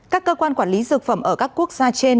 các cơ quan quản lý dược phẩm ở các quốc gia trên